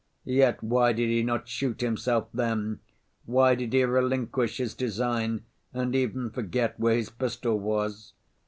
Yet why did he not shoot himself then, why did he relinquish his design and even forget where his pistol was?